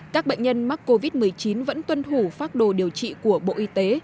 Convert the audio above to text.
các bệnh nhân mắc covid một mươi chín vẫn tuân thủ phác đồ điều trị của bộ y tế